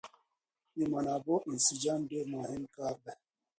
د منابعو انسجام ډېر مهم کار دی.